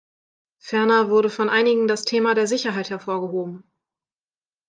Ferner wurde von einigen das Thema der Sicherheit hervorgehoben.